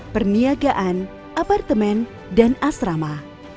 perniagaan apartemen dan asrama